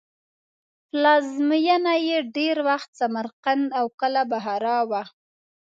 پلازمینه یې ډېر وخت سمرقند او کله بخارا وه.